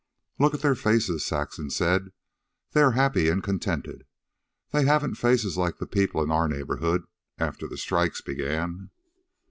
"Look at their faces," Saxon said. "They are happy and contented. They haven't faces like the people in our neighborhood after the strikes began."